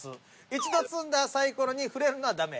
一度積んだサイコロに触れるのはダメ。